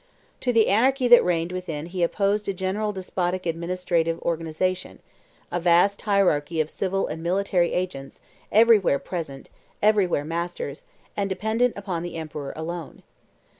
To the anarchy that reigned within he opposed a general despotic administrative organization, a vast hierarchy of civil and military agents, everywhere present, everywhere masters, and dependent upon the emperor alone.